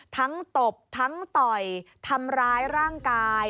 ตบทั้งต่อยทำร้ายร่างกาย